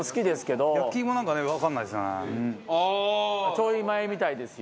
ちょい前みたいですよ。